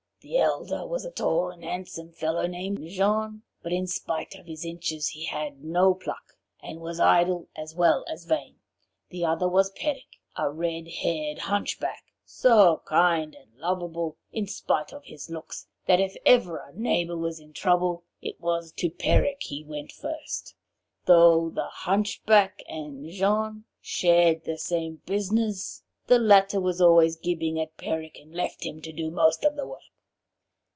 The elder was a tall and handsome fellow named Jean, but in spite of his inches he had no pluck, and was idle as well as vain. The other was Peric, a red haired hunchback, so kind and lovable in spite of his looks that if ever a neighbour were in trouble, it was to Peric he went first. Though the hunchback and Jean shared the same business, the latter was always gibing at Peric, and left him to do most of the work.